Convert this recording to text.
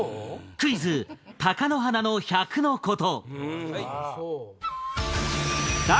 クイズ貴乃花の１００のコト。